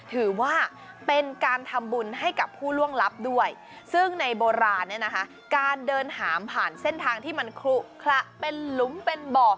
ถือว่าเป็นการทำบุญให้กับผู้ล่วงลับด้วยซึ่งในโบราณเนี่ยนะคะการเดินหามผ่านเส้นทางที่มันคลุขระเป็นหลุมเป็นบ่อ